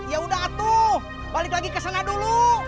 yaudah atuh balik lagi kesana dulu